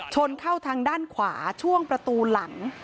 ชนเข้าทางด้านขวาช่วงประตูหลัง